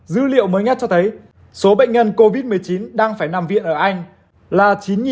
dữ liệu mới nhất cho thấy số bệnh nhân covid một mươi chín đang phải nằm viện ở anh là chín mươi